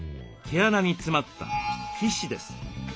毛穴に詰まった皮脂です。